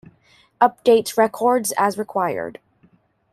Update records as required.